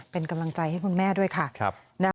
เป็นกำลังใจให้คุณแม่ด้วยค่ะ